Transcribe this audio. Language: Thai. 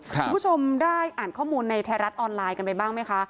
คุณผู้ชมได้อ่านข้อมูลในไทยรัฐออนไลน์กันไปบ้างไหมคะ